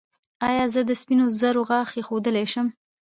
ایا زه د سپینو زرو غاښ ایښودلی شم؟